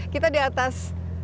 kita di atas